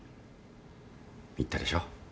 言ったでしょう。